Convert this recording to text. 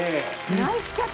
ナイスキャッチ。